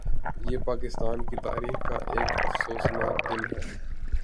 یہ پاکستان کی تاریخ کا ایک افسوسناک دن ہے